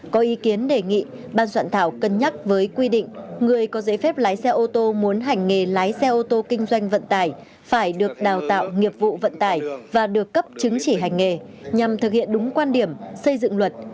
có ý kiến đề nghị ban soạn thảo cân nhắc với quy định người có giấy phép lái xe ô tô muốn hành nghề lái xe ô tô kinh doanh vận tải phải được đào tạo nghiệp vụ vận tải và được cấp chứng chỉ hành nghề nhằm thực hiện đúng quan điểm xây dựng luật